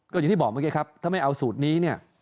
ก็อย่างที่บอกเมื่อกี้ครับถ้าไม่เอาสูตรนี้เนี่ย